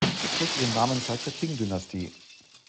Sie trägt ihren Namen seit der Qing-Dynastie.